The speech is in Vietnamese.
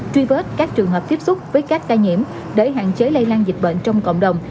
truy vết các trường hợp tiếp xúc với các ca nhiễm để hạn chế lây lan dịch bệnh trong cộng đồng